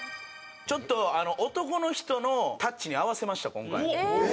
ちょっと男の人のタッチに合わせました今回。